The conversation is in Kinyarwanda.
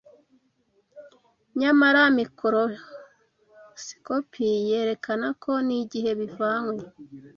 Nyamara mikorosikopi yerekana ko n’igihe bivanywe